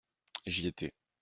J’y étais.